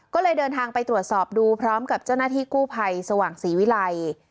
ก็เลยเดินทางไปตรวจสอบดูพร้อมกับเจ้าหน้าที่กู้ภัยสว่างศรีวิลัย